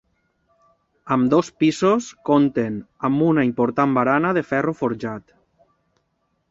Ambdós pisos compten amb una important barana de ferro forjat.